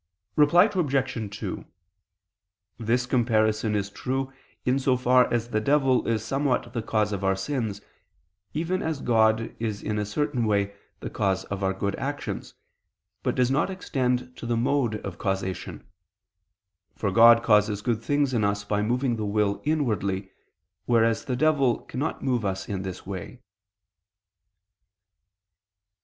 Reply Obj. 2: This comparison is true in so far as the devil is somewhat the cause of our sins, even as God is in a certain way the cause of our good actions, but does not extend to the mode of causation: for God causes good things in us by moving the will inwardly, whereas the devil cannot move us in this way.